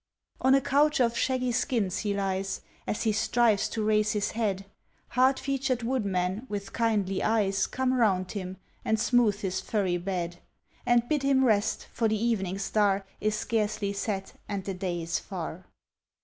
On a couch of shaggy skins he lies; As he strives to raise his head, Hard featured woodmen, with kindly eyes, Come round him and smooth his furry bed And bid him rest, for the evening star Is scarcely set and the day is far.